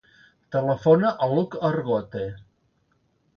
Telefona a l'Hug Argote.